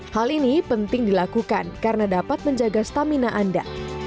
hal ini penting dilakukan karena dapat menjaga stamina anda